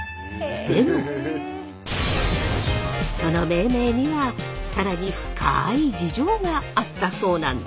でもその命名には更に深い事情があったそうなんです。